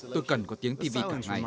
tôi cần có tiếng tv cả ngày